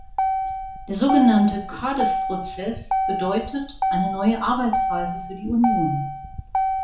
Der so genannte Cardiff-Prozess bedeutet eine neue Arbeitsweise für die Union.